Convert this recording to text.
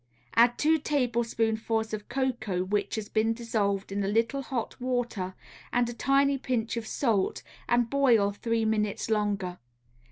Add two tablespoonfuls of cocoa which has been dissolved in a little hot water and a tiny pinch of salt and boil three minutes longer.